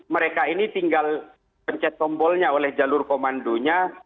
mereka ini tinggal pencet tombolnya oleh jalur komandonya